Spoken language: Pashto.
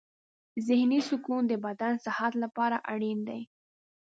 ذهني سکون د بدن صحت لپاره اړین دی.